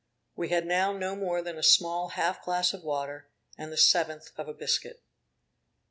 We had now no more than a small half glass of water, and the seventh of a biscuit.